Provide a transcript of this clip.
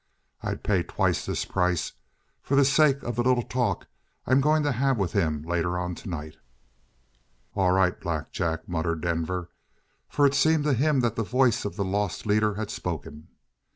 I'd pay twice this price for the sake of the little talk I'm going to have with him later on tonight." "All right Black Jack," muttered Denver. For it seemed to him that the voice of the lost leader had spoken.